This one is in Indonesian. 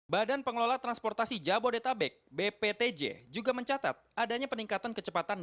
badan pengelola transportasi jabodetabek bptj juga mencatat adanya peningkatan kecepatan